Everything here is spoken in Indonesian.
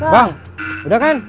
bang udah kan